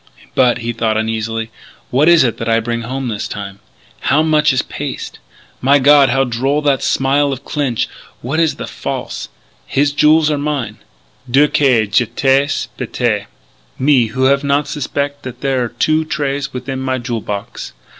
"But," he thought uneasily, "what is it that I bring home this time? How much is paste? My God, how droll that smile of Clinch.... Which is the false his jewels or mine? Dieu que j'étais bête! Me who have not suspec' that there are two trays within my jewel box!...